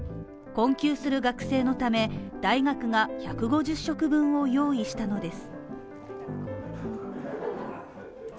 困窮する学生のため、大学が１５０食分を用意したのです。